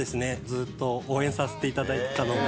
ずっと応援させて頂いてたので。